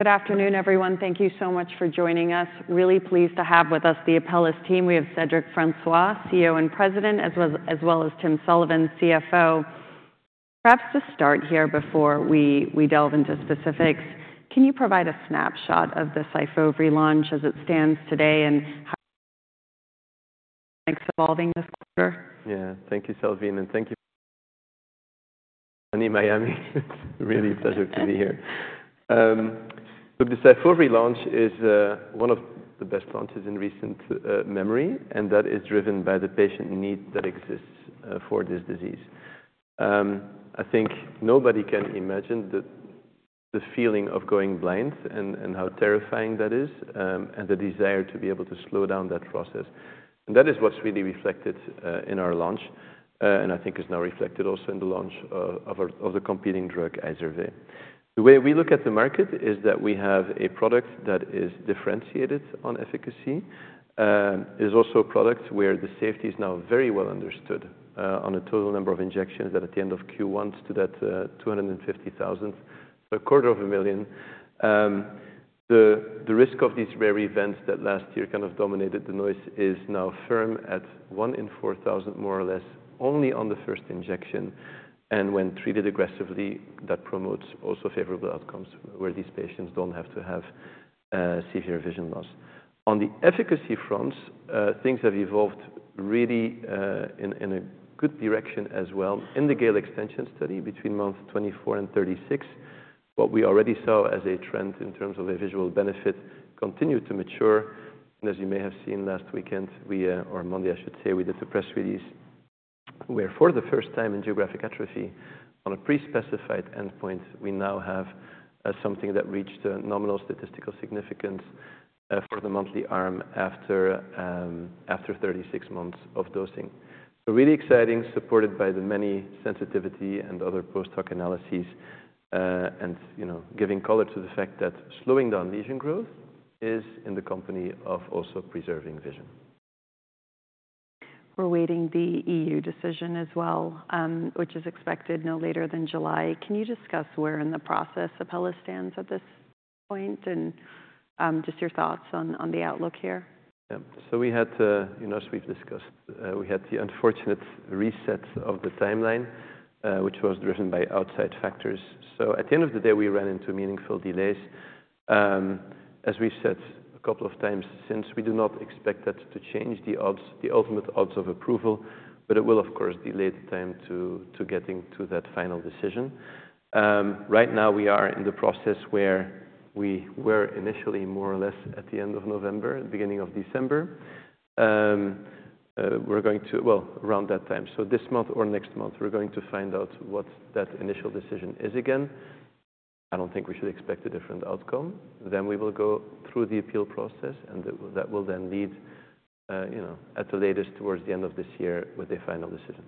Good afternoon, everyone. Thank you so much for joining us. Really pleased to have with us the Apellis team. We have Cedric Francois, CEO and President, as well as Tim Sullivan, CFO. Perhaps to start here, before we delve into specifics, can you provide a snapshot of the Syfovre relaunch as it stands today and how it's evolving this quarter? Yeah, thank you, Salveen, and thank you, Miami. It's really a pleasure to be here. Look, the Syfovre relaunch is one of the best launches in recent memory, and that is driven by the patient need that exists for this disease. I think nobody can imagine the feeling of going blind and how terrifying that is, and the desire to be able to slow down that process. And that is what's really reflected in our launch, and I think is now reflected also in the launch of the competing drug, Izervay. The way we look at the market is that we have a product that is differentiated on efficacy. It is also a product where the safety is now very well understood on a total number of injections that at the end of Q1 stood at 250,000, a quarter of a million. The risk of these rare events that last year kind of dominated the noise is now firm at one in 4,000, more or less, only on the first injection. And when treated aggressively, that promotes also favorable outcomes where these patients don't have to have severe vision loss. On the efficacy fronts, things have evolved really in a good direction as well. In the Gale extension study between month 24 and 36, what we already saw as a trend in terms of a visual benefit continued to mature. And as you may have seen last weekend, or Monday, I should say, we did the press release where, for the first time in geographic atrophy, on a pre-specified endpoint, we now have something that reached nominal statistical significance for the monthly arm after 36 months of dosing. Really exciting, supported by the many sensitivity and other post-hoc analyses and giving color to the fact that slowing down lesion growth is in the company of also preserving vision. We're awaiting the EU decision as well, which is expected no later than July. Can you discuss where in the process Apellis stands at this point and just your thoughts on the outlook here? Yeah. So we had, as we've discussed, we had the unfortunate reset of the timeline, which was driven by outside factors. So at the end of the day, we ran into meaningful delays. As we've said a couple of times since, we do not expect that to change the ultimate odds of approval, but it will, of course, delay the time to getting to that final decision. Right now, we are in the process where we were initially more or less at the end of November, beginning of December. We're going to, well, around that time, so this month or next month, we're going to find out what that initial decision is again. I don't think we should expect a different outcome. Then we will go through the appeal process, and that will then lead, at the latest, towards the end of this year with a final decision.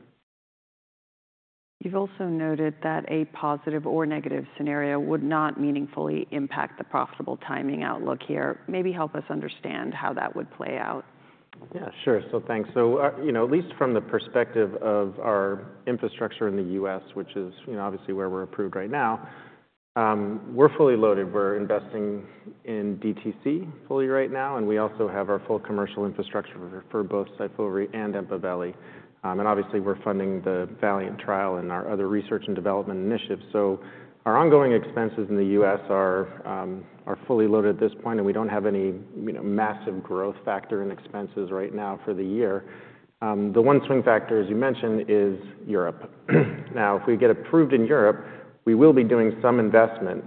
You've also noted that a positive or negative scenario would not meaningfully impact the profitable timing outlook here. Maybe help us understand how that would play out? Yeah, sure. So thanks. So at least from the perspective of our infrastructure in the US, which is obviously where we're approved right now, we're fully loaded. We're investing in DTC fully right now, and we also have our full commercial infrastructure for both Syfovre and Empaveli. And obviously, we're funding the Valiant trial and our other research and development initiatives. So our ongoing expenses in the US are fully loaded at this point, and we don't have any massive growth factor in expenses right now for the year. The one swing factor, as you mentioned, is Europe. Now, if we get approved in Europe, we will be doing some investment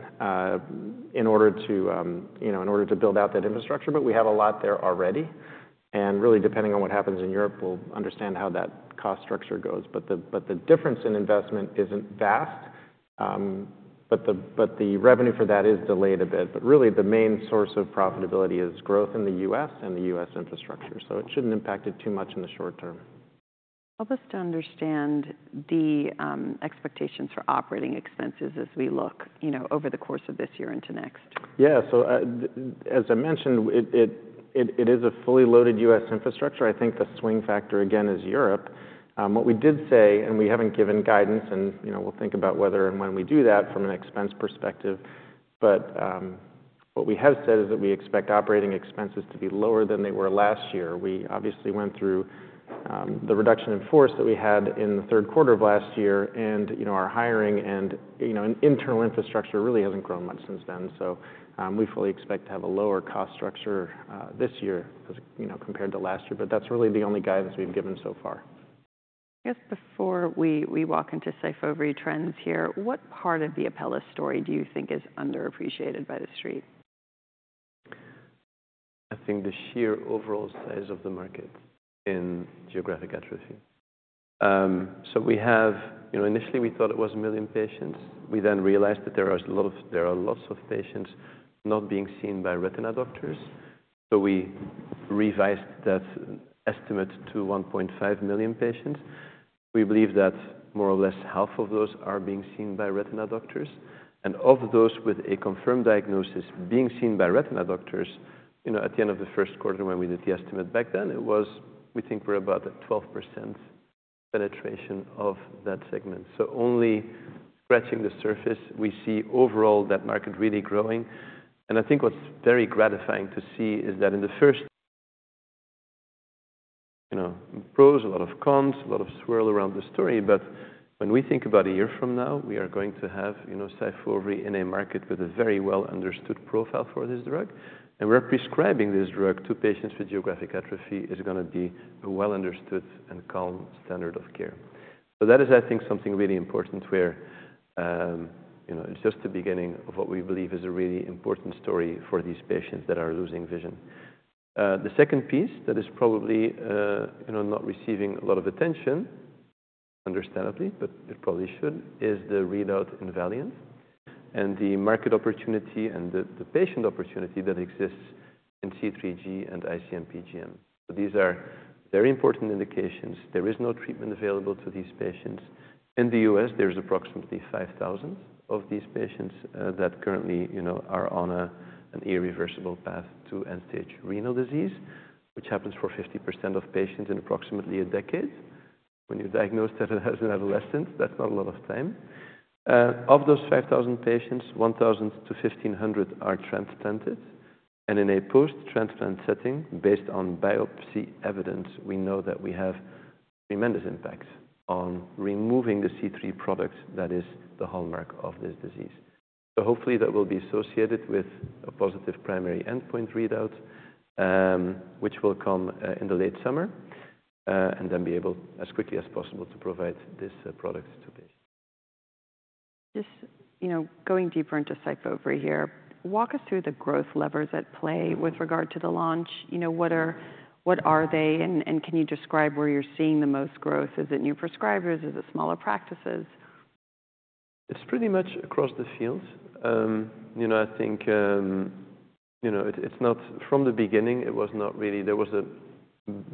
in order to build out that infrastructure, but we have a lot there already. And really, depending on what happens in Europe, we'll understand how that cost structure goes. But the difference in investment isn't vast, but the revenue for that is delayed a bit. But really, the main source of profitability is growth in the US and the US infrastructure. So it shouldn't impact it too much in the short term. Help us to understand the expectations for operating expenses as we look over the course of this year into next? Yeah. So as I mentioned, it is a fully loaded US infrastructure. I think the swing factor, again, is Europe. What we did say, and we haven't given guidance, and we'll think about whether and when we do that from an expense perspective, but what we have said is that we expect operating expenses to be lower than they were last year. We obviously went through the reduction in force that we had in the third quarter of last year and our hiring, and internal infrastructure really hasn't grown much since then. So we fully expect to have a lower cost structure this year compared to last year, but that's really the only guidance we've given so far. I guess before we walk into Syfovre trends here, what part of the Apellis story do you think is underappreciated by the street? I think the sheer overall size of the market in Geographic Atrophy. So initially, we thought it was million patients. We then realized that there are lots of patients not being seen by retina doctors. So we revised that estimate to 1.5 million patients. We believe that more or less half of those are being seen by retina doctors. And of those with a confirmed diagnosis being seen by retina doctors, at the end of the first quarter, when we did the estimate back then, it was, we think, we're about at 12% penetration of that segment. So only scratching the surface, we see overall that market really growing. And I think what's very gratifying to see is that in the first, pros a lot of cons, a lot of swirl around the story. But when we think about a year from now, we are going to have SYFOVRE in a market with a very well-understood profile for this drug. And we're prescribing this drug to patients with Geographic Atrophy is going to be a well-understood and calm standard of care. So that is, I think, something really important where it's just the beginning of what we believe is a really important story for these patients that are losing vision. The second piece that is probably not receiving a lot of attention, understandably, but it probably should, is the readout in Valiant and the market opportunity and the patient opportunity that exists in C3G and IC-MPGN. These are very important indications. There is no treatment available to these patients. In the US, there's approximately 5,000 of these patients that currently are on an irreversible path to end-stage renal disease, which happens for 50% of patients in approximately a decade. When you're diagnosed as an adolescent, that's not a lot of time. Of those 5,000 patients, 1,000 to 1,500 are transplanted. And in a post-transplant setting, based on biopsy evidence, we know that we have tremendous impact on removing the C3 product that is the hallmark of this disease. So hopefully, that will be associated with a positive primary endpoint readout, which will come in the late summer, and then be able, as quickly as possible, to provide this product to patients. Just going deeper into Syfovry here, walk us through the growth levers at play with regard to the launch. What are they, and can you describe where you're seeing the most growth? Is it new prescribers? Is it smaller practices? It's pretty much across the field. I think from the beginning, there was a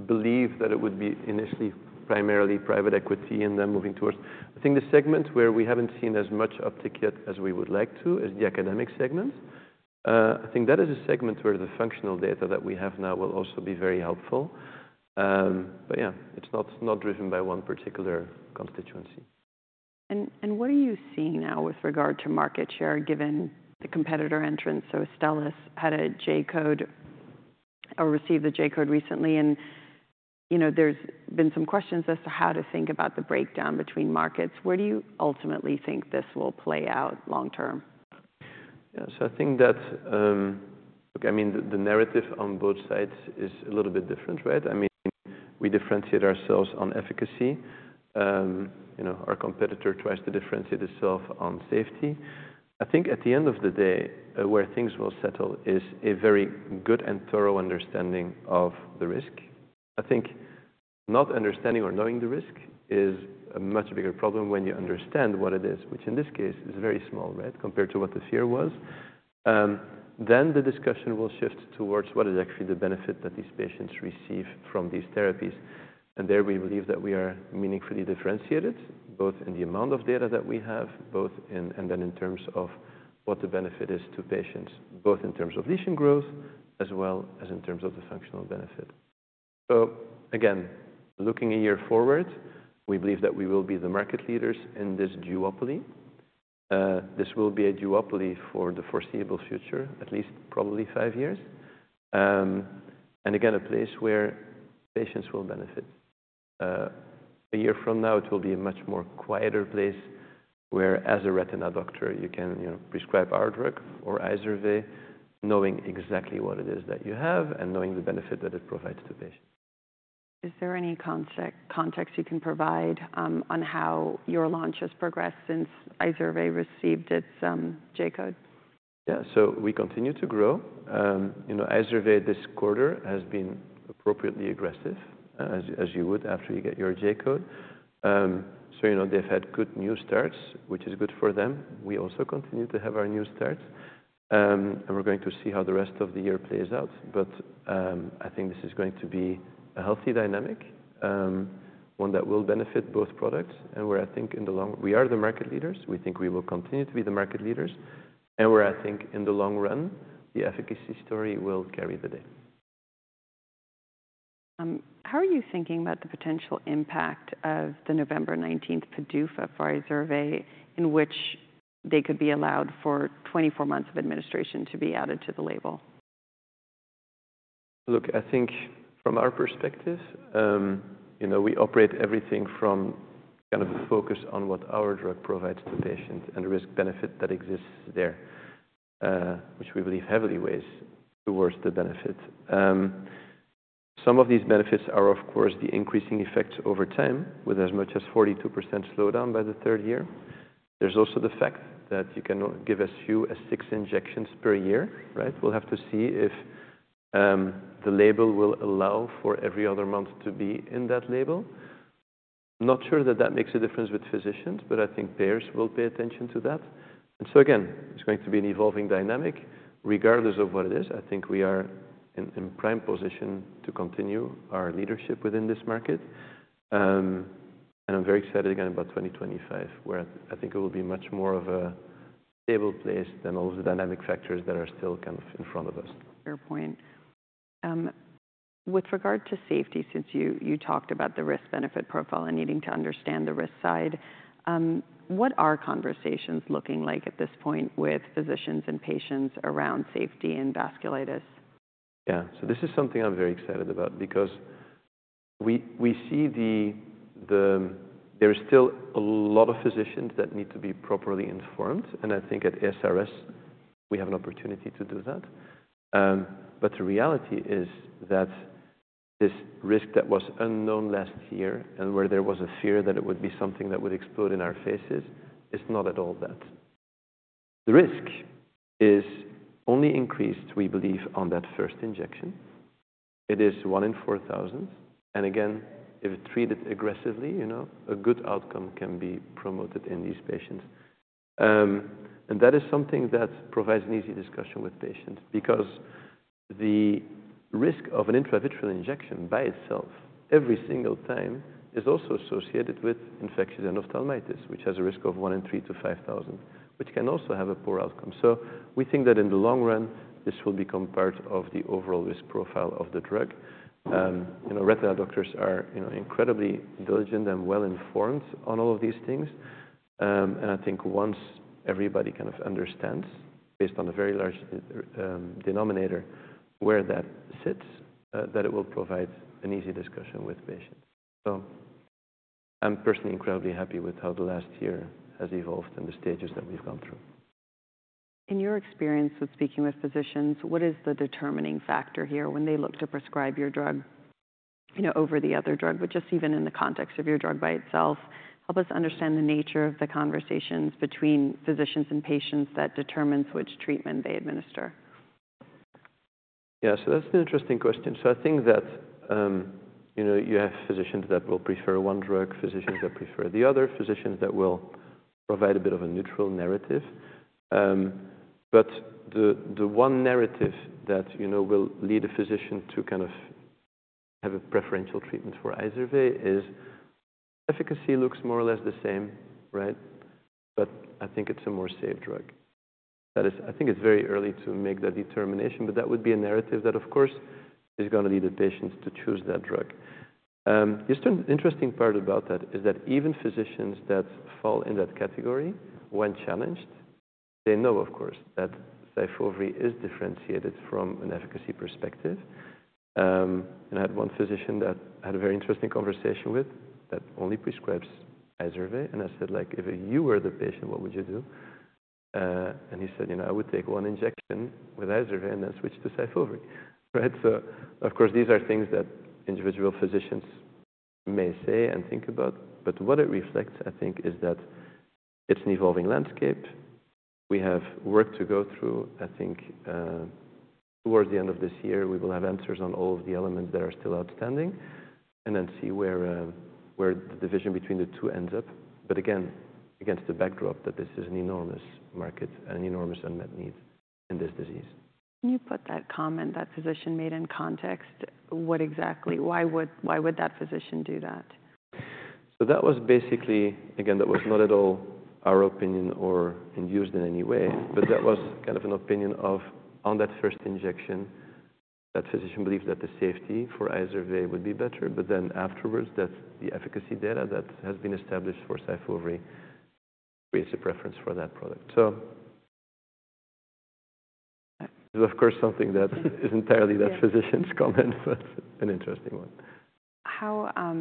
belief that it would be initially primarily private equity and then moving towards I think the segment where we haven't seen as much uptick yet as we would like to is the academic segment. I think that is a segment where the functional data that we have now will also be very helpful. But yeah, it's not driven by one particular constituency. What are you seeing now with regard to market share given the competitor entrance? Astellas had a J-code or received a J-code recently, and there's been some questions as to how to think about the breakdown between markets. Where do you ultimately think this will play out long term? Yeah. So I think that, look, I mean, the narrative on both sides is a little bit different, right? I mean, we differentiate ourselves on efficacy. Our competitor tries to differentiate itself on safety. I think at the end of the day, where things will settle is a very good and thorough understanding of the risk. I think not understanding or knowing the risk is a much bigger problem when you understand what it is, which in this case is very small, right, compared to what the fear was. Then the discussion will shift towards what is actually the benefit that these patients receive from these therapies. And there we believe that we are meaningfully differentiated, both in the amount of data that we have, and then in terms of what the benefit is to patients, both in terms of lesion growth as well as in terms of the functional benefit. So again, looking a year forward, we believe that we will be the market leaders in this duopoly. This will be a duopoly for the foreseeable future, at least probably five years. And again, a place where patients will benefit. A year from now, it will be a much more quieter place where, as a retina doctor, you can prescribe our drug or Izervay, knowing exactly what it is that you have and knowing the benefit that it provides to patients. Is there any context you can provide on how your launch has progressed since Izervay received it's J-code? Yeah. So we continue to grow. Izervay this quarter has been appropriately aggressive, as you would after you get your J-code. So they've had good new starts, which is good for them. We also continue to have our new starts. And we're going to see how the rest of the year plays out. But I think this is going to be a healthy dynamic, one that will benefit both products. And we're, I think, in the long run we are the market leaders. We think we will continue to be the market leaders. And we're, I think, in the long run, the efficacy story will carry the day. How are you thinking about the potential impact of the November 19th PDUFA for Izervay in which they could be allowed for 24 months of administration to be added to the label? Look, I think from our perspective, we operate everything from kind of a focus on what our drug provides to patients and the risk-benefit that exists there, which we believe heavily weighs towards the benefit. Some of these benefits are, of course, the increasing effects over time with as much as 42% slowdown by the third year. There's also the fact that you can give as few as six injections per year, right? We'll have to see if the label will allow for every other month to be in that label. I'm not sure that that makes a difference with physicians, but I think payers will pay attention to that. And so again, it's going to be an evolving dynamic. Regardless of what it is, I think we are in prime position to continue our leadership within this market. I'm very excited again about 2025, where I think it will be much more of a stable place than all of the dynamic factors that are still kind of in front of us. Fair point. With regard to safety, since you talked about the risk-benefit profile and needing to understand the risk side, what are conversations looking like at this point with physicians and patients around safety and vasculitis? Yeah. So this is something I'm very excited about because we see there are still a lot of physicians that need to be properly informed. And I think at ASRS, we have an opportunity to do that. But the reality is that this risk that was unknown last year and where there was a fear that it would be something that would explode in our faces is not at all that. The risk is only increased, we believe, on that first injection. It is one in 4,000. And again, if treated aggressively, a good outcome can be promoted in these patients. And that is something that provides an easy discussion with patients because the risk of an intravitreal injection by itself every single time is also associated with infectious endophthalmitis, which has a risk of one in 3,000-5,000, which can also have a poor outcome. So we think that in the long run, this will become part of the overall risk profile of the drug. Retina doctors are incredibly diligent and well-informed on all of these things. And I think once everybody kind of understands, based on a very large denominator, where that sits, that it will provide an easy discussion with patients. So I'm personally incredibly happy with how the last year has evolved and the stages that we've gone through. In your experience with speaking with physicians, what is the determining factor here when they look to prescribe your drug over the other drug, but just even in the context of your drug by itself? Help us understand the nature of the conversations between physicians and patients that determines which treatment they administer. Yeah. So that's an interesting question. So I think that you have physicians that will prefer one drug, physicians that prefer the other, physicians that will provide a bit of a neutral narrative. But the one narrative that will lead a physician to kind of have a preferential treatment for Izervay is efficacy looks more or less the same, right? But I think it's a very early to make that determination, but that would be a narrative that, of course, is going to lead the patients to choose that drug. The interesting part about that is that even physicians that fall in that category, when challenged, they know, of course, that Syfovre is differentiated from an efficacy perspective. And I had one physician that I had a very interesting conversation with that only prescribes Izervay. And I said, like, "If you were the patient, what would you do?" And he said, "I would take one injection with Izervay and then switch to Syfovre." Right? So of course, these are things that individual physicians may say and think about. But what it reflects, I think, is that it's an evolving landscape. We have work to go through. I think towards the end of this year, we will have answers on all of the elements that are still outstanding and then see where the division between the two ends up. But again, against the backdrop that this is an enormous market and enormous unmet need in this disease. Can you put that comment, that physician made in context? Why would that physician do that? So that was basically, again, that was not at all our opinion or used in any way. But that was kind of an opinion of on that first injection, that physician believes that the safety for Izervay would be better. But then afterwards, the efficacy data that has been established for Syfovre creates a preference for that product. So it's of course something that is entirely that physician's comment, but an interesting one. How,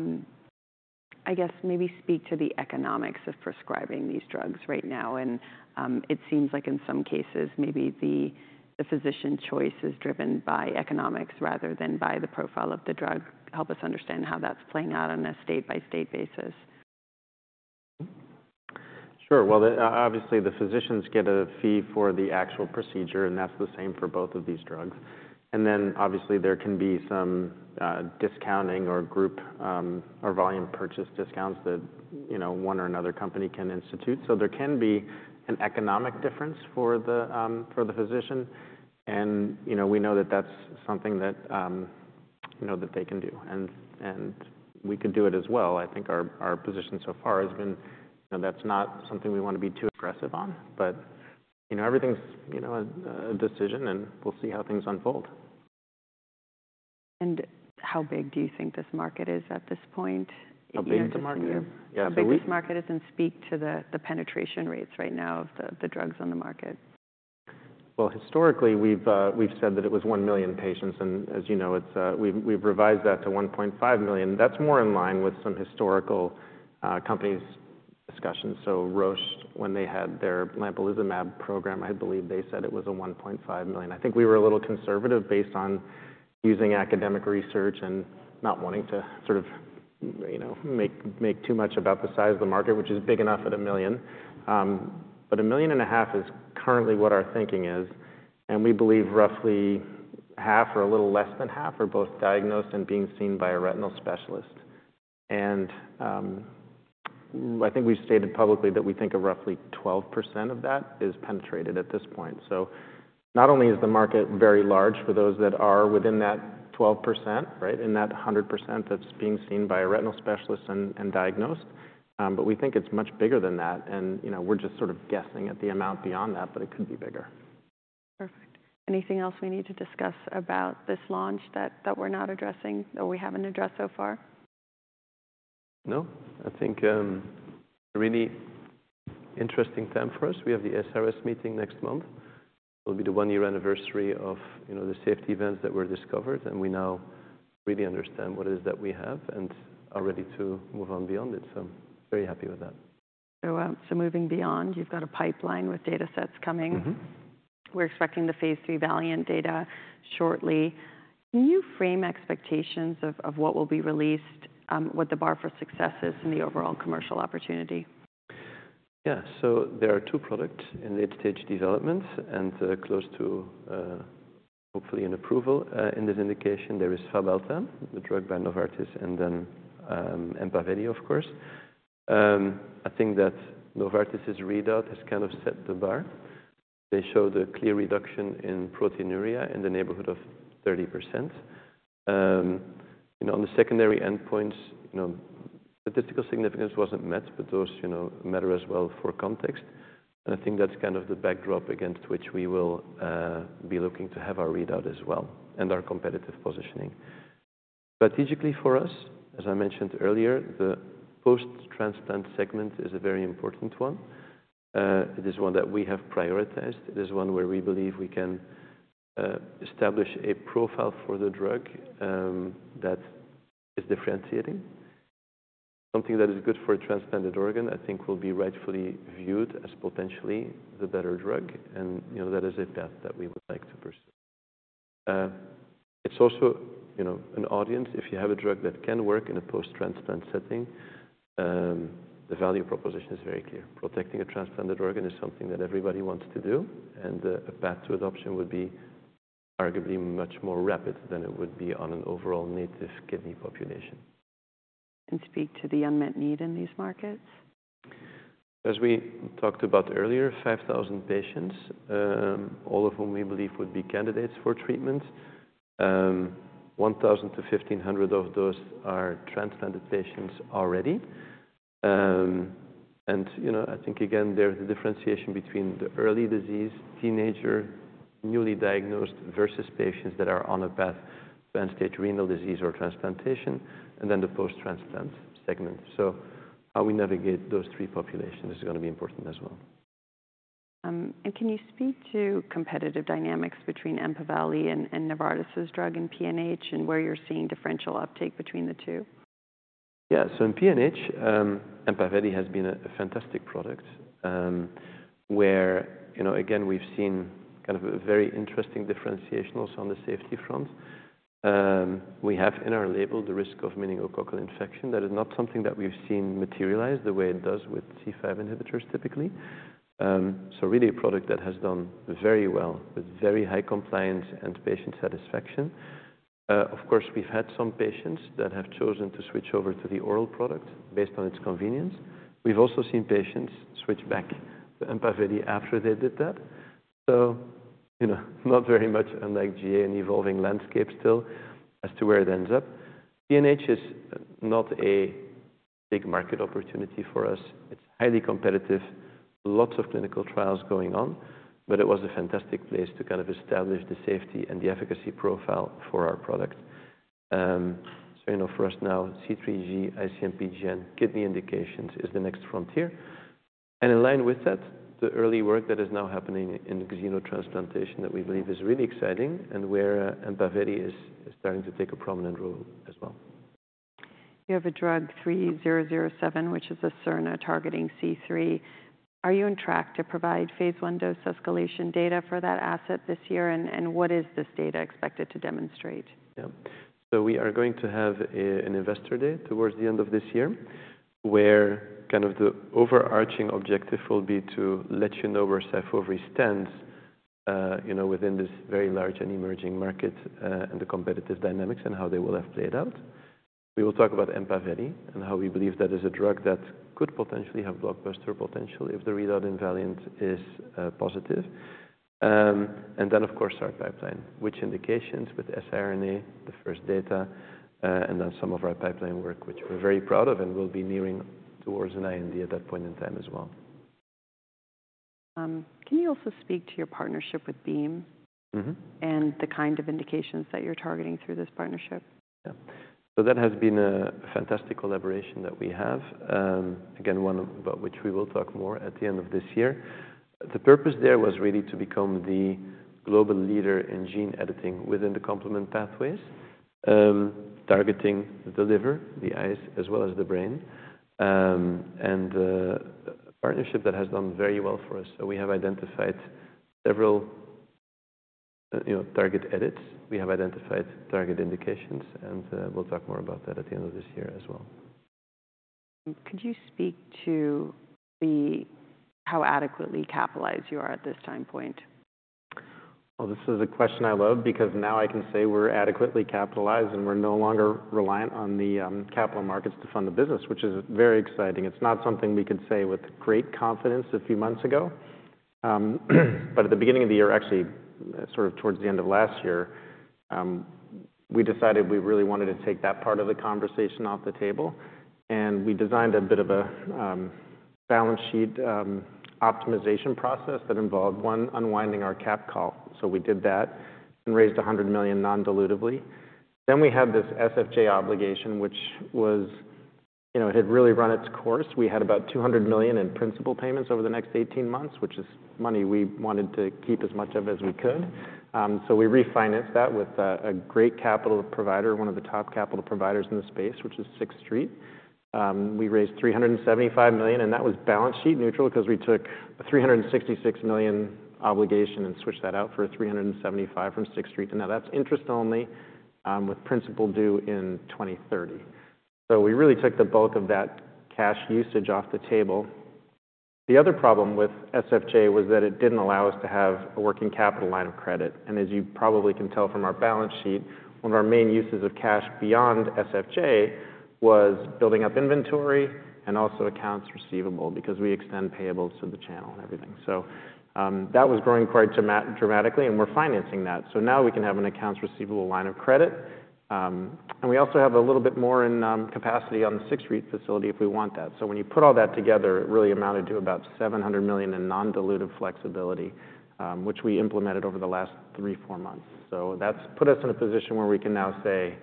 I guess, maybe speak to the economics of prescribing these drugs right now? And it seems like in some cases, maybe the physician choice is driven by economics rather than by the profile of the drug. Help us understand how that's playing out on a state-by-state basis. Sure. Well, obviously, the physicians get a fee for the actual procedure, and that's the same for both of these drugs. And then obviously, there can be some discounting or volume purchase discounts that one or another company can institute. So there can be an economic difference for the physician. And we know that that's something that they can do. And we could do it as well. I think our position so far has been that's not something we want to be too aggressive on. But everything's a decision, and we'll see how things unfold. How big do you think this market is at this point? How big is the market? How big this market is and speak to the penetration rates right now of the drugs on the market. Well, historically, we've said that it was 1 million patients. And as you know, we've revised that to 1.5 million. That's more in line with some historical companies' discussions. So Roche, when they had their Lampolizumab program, I believe they said it was a 1.5 million. I think we were a little conservative based on using academic research and not wanting to sort of make too much about the size of the market, which is big enough at a million. But 1.5 million is currently what our thinking is. And we believe roughly half or a little less than half are both diagnosed and being seen by a retinal specialist. And I think we've stated publicly that we think roughly 12% of that is penetrated at this point. So not only is the market very large for those that are within that 12%, right, in that 100% that's being seen by a retinal specialist and diagnosed, but we think it's much bigger than that. And we're just sort of guessing at the amount beyond that, but it could be bigger. Perfect. Anything else we need to discuss about this launch that we're not addressing that we haven't addressed so far? No. I think a really interesting time for us. We have the ASRS meeting next month. It'll be the one-year anniversary of the safety events that were discovered. And we now really understand what it is that we have and are ready to move on beyond it. So very happy with that. So moving beyond, you've got a pipeline with data sets coming. We're expecting the phase III Valiant data shortly. Can you frame expectations of what will be released, what the bar for success is, and the overall commercial opportunity? Yeah. So there are two products in late-stage development and close to hopefully an approval. In this indication, there is Fabhalta, the drug by Novartis, and then Empaveli, of course. I think that Novartis' readout has kind of set the bar. They showed a clear reduction in proteinuria in the neighborhood of 30%. On the secondary endpoints, statistical significance wasn't met, but those matter as well for context. And I think that's kind of the backdrop against which we will be looking to have our readout as well and our competitive positioning. Strategically for us, as I mentioned earlier, the post-transplant segment is a very important one. It is one that we have prioritized. It is one where we believe we can establish a profile for the drug that is differentiating. Something that is good for a transplanted organ, I think, will be rightfully viewed as potentially the better drug. And that is a path that we would like to pursue. It's also an audience. If you have a drug that can work in a post-transplant setting, the value proposition is very clear. Protecting a transplanted organ is something that everybody wants to do. And a path to adoption would be arguably much more rapid than it would be on an overall native kidney population. Speak to the unmet need in these markets. As we talked about earlier, 5,000 patients, all of whom we believe would be candidates for treatment. 1,000-1,500 of those are transplanted patients already. And I think, again, there's a differentiation between the early disease, teenager, newly diagnosed versus patients that are on a path to end-stage renal disease or transplantation, and then the post-transplant segment. So how we navigate those three populations is going to be important as well. Can you speak to competitive dynamics between Empaveli and Novartis' drug in PNH and where you're seeing differential uptake between the two? Yeah. So in PNH, Empaveli has been a fantastic product where, again, we've seen kind of a very interesting differentiation also on the safety front. We have in our label the risk of meningococcal infection. That is not something that we've seen materialize the way it does with C5 inhibitors typically. So really a product that has done very well with very high compliance and patient satisfaction. Of course, we've had some patients that have chosen to switch over to the oral product based on its convenience. We've also seen patients switch back to Empaveli after they did that. So not very much unlike GA in evolving landscape still as to where it ends up. PNH is not a big market opportunity for us. It's highly competitive. Lots of clinical trials going on. But it was a fantastic place to kind of establish the safety and the efficacy profile for our product. For us now, C3G, IC-MPGN, kidney indications is the next frontier. In line with that, the early work that is now happening in xenotransplantation that we believe is really exciting and where Empaveli is starting to take a prominent role as well. You have a drug APL-3007, which is a siRNA targeting C3. Are you on track to provide phase I dose escalation data for that asset this year? And what is this data expected to demonstrate? Yeah. So we are going to have an investor day towards the end of this year where kind of the overarching objective will be to let you know where SYFOVRE stands within this very large and emerging market and the competitive dynamics and how they will have played out. We will talk about EMPAVELI and how we believe that is a drug that could potentially have blockbuster potential if the readout in Valiant is positive. And then, of course, our pipeline, which indications with siRNA, the first data, and then some of our pipeline work, which we're very proud of and will be nearing towards an IND at that point in time as well. Can you also speak to your partnership with Beam and the kind of indications that you're targeting through this partnership? Yeah. So that has been a fantastic collaboration that we have, again, which we will talk more at the end of this year. The purpose there was really to become the global leader in gene editing within the complement pathways, targeting the liver, the eyes, as well as the brain. And a partnership that has done very well for us. So we have identified several target edits. We have identified target indications. And we'll talk more about that at the end of this year as well. Could you speak to how adequately capitalized you are at this time point? Well, this is a question I love because now I can say we're adequately capitalized and we're no longer reliant on the capital markets to fund the business, which is very exciting. It's not something we could say with great confidence a few months ago. But at the beginning of the year, actually sort of towards the end of last year, we decided we really wanted to take that part of the conversation off the table. We designed a bit of a balance sheet optimization process that involved, one, unwinding our cap call. So we did that and raised $100 million non-dilutively. Then we had this SFJ obligation, which had really run its course. We had about $200 million in principal payments over the next 18 months, which is money we wanted to keep as much of as we could. We refinanced that with a great capital provider, one of the top capital providers in the space, which is Sixth Street. We raised $375 million. That was balance sheet neutral because we took a $366 million obligation and switched that out for $375 million from Sixth Street. Now that's interest only with principal due in 2030. We really took the bulk of that cash usage off the table. The other problem with SFJ was that it didn't allow us to have a working capital line of credit. As you probably can tell from our balance sheet, one of our main uses of cash beyond SFJ was building up inventory and also accounts receivable because we extend payables to the channel and everything. That was growing quite dramatically. We're financing that. Now we can have an accounts receivable line of credit. We also have a little bit more in capacity on the Sixth Street facility if we want that. When you put all that together, it really amounted to about $700 million in non-dilutive flexibility, which we implemented over the last three, four months. That's put us in a position where we can now say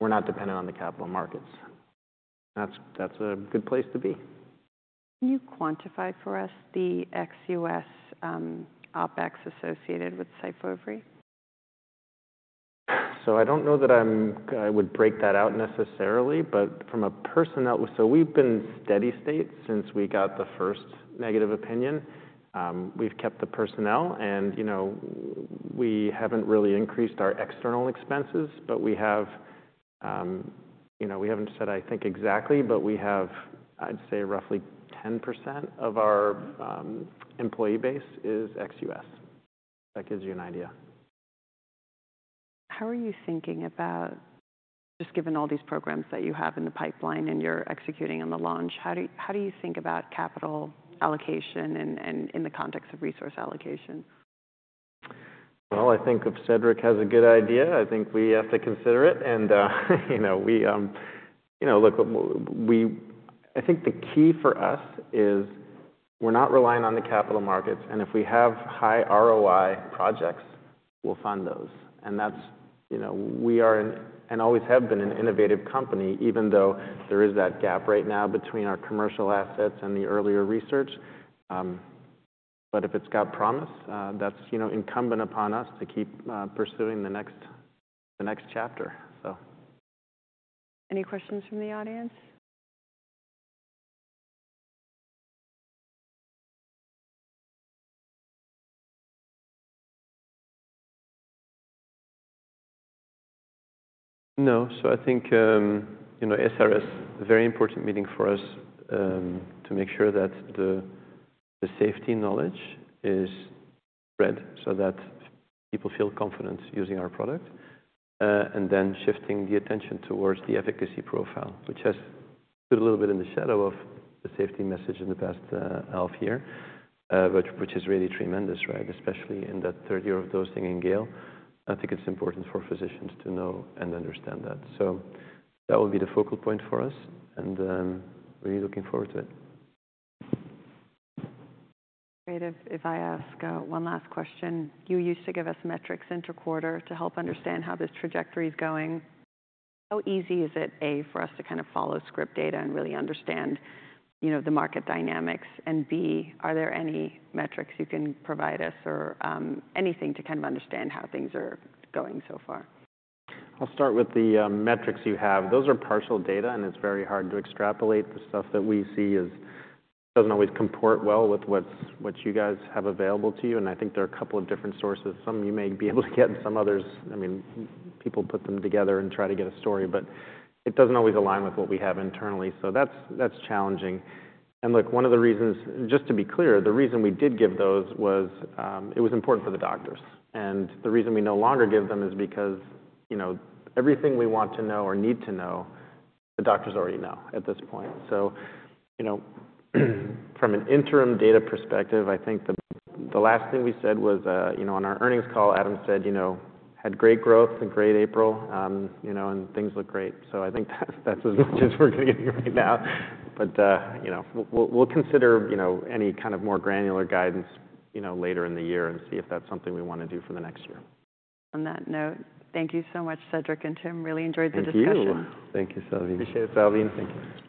we're not dependent on the capital markets. That's a good place to be. Can you quantify for us the ex-US OpEx associated with SYFOVRE? I don't know that I would break that out necessarily. But from a personnel, so we've been steady state since we got the first negative opinion. We've kept the personnel. And we haven't really increased our external expenses. But we haven't said, I think, exactly. But we have, I'd say, roughly 10% of our employee base is ex-US. That gives you an idea. How are you thinking about just given all these programs that you have in the pipeline and you're executing on the launch? How do you think about capital allocation and in the context of resource allocation? Well, I think if Cedric has a good idea, I think we have to consider it. I think the key for us is we're not relying on the capital markets. If we have high ROI projects, we'll fund those. We are and always have been an innovative company, even though there is that gap right now between our commercial assets and the earlier research. If it's got promise, that's incumbent upon us to keep pursuing the next chapter, so. Any questions from the audience? No. So I think ASRS is a very important meeting for us to make sure that the safety knowledge is spread so that people feel confident using our product. And then shifting the attention towards the efficacy profile, which has stood a little bit in the shadow of the safety message in the past half year, which is really tremendous, right, especially in that third year of dosing in Gale. I think it's important for physicians to know and understand that. So that will be the focal point for us. And we're really looking forward to it. Great. If I ask one last question, you used to give us metrics interquarter to help understand how this trajectory is going. How easy is it, A, for us to kind of follow script data and really understand the market dynamics? And B, are there any metrics you can provide us or anything to kind of understand how things are going so far? I'll start with the metrics you have. Those are partial data. It's very hard to extrapolate the stuff that we see as doesn't always comport well with what you guys have available to you. I think there are a couple of different sources. Some you may be able to get. Some others, I mean, people put them together and try to get a story. But it doesn't always align with what we have internally. That's challenging. Look, one of the reasons, just to be clear, the reason we did give those was it was important for the doctors. The reason we no longer give them is because everything we want to know or need to know, the doctors already know at this point. So, from an interim data perspective, I think the last thing we said was on our earnings call, Adam said had great growth and great April. And things look great. So I think that's as much as we're going to get right now. But we'll consider any kind of more granular guidance later in the year and see if that's something we want to do for the next year. On that note, thank you so much, Cedric and Tim. Really enjoyed the discussion. Thank you, Salveen. Appreciate it, Salveen. Thank you.